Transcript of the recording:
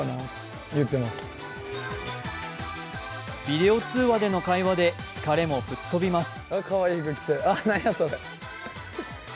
ビデオ通話での会話で疲れも吹っ飛びます。